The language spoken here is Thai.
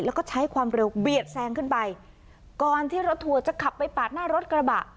แล้วก็ใช้ความเร็วเบียดแซงขึ้นไปก่อนที่รถทัวร์จะขับไปปาดหน้ารถกระบะ